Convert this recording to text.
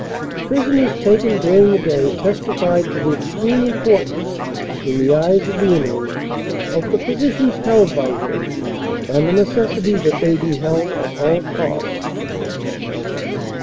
Prisoners taken during the day testified to the extreme importance, in the eyes of the enemy, of the positions held by him and the neces sity that they be held at all costs."